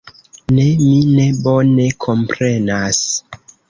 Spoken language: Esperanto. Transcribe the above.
Ne, mi ne bone komprenas.